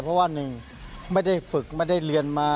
เพราะว่าหนึ่งไม่ได้ฝึกไม่ได้เรียนมา